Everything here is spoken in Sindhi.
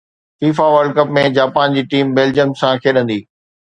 فيفا ورلڊ ڪپ ۾ جاپان جي ٽيم بيلجيم سان کيڏندي